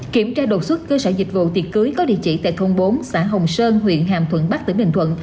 kiểm tra đột xuất cơ sở dịch vụ tiệc cưới có địa chỉ tại thôn bốn xã hồng sơn huyện hàm thuận bắc tỉnh bình thuận